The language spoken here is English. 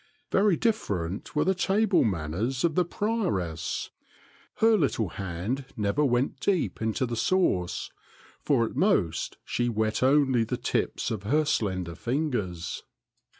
Very different were the table manners of the prioress. Her little hand never went deep into the sauce, for at most she wet only the tips of her slender fingers.